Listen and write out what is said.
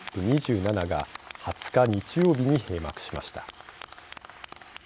ＣＯＰ２７が２０日、日曜日に閉幕しました。